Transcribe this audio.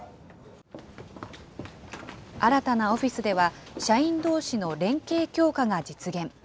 新たなオフィスでは、社員どうしの連携強化が実現。